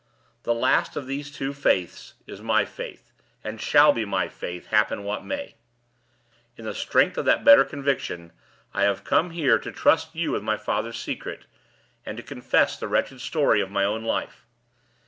The last of those two faiths is my faith, and shall be my faith, happen what may. In the strength of that better conviction, I have come here to trust you with my father's secret, and to confess the wretched story of my own life.